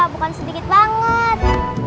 bukan sedikit banget